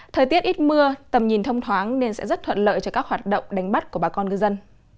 thời tiết ít mưa tầm nhìn thông thoáng nên sẽ rất thuận lợi cho các hoạt động đánh bắt của bà con ngư dân